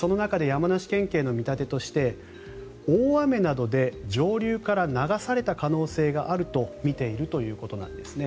その中で山梨県警の見立てによりますと大雨などで上流から流された可能性があるとみているということなんですね。